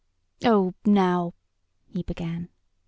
"Oh, now " he began.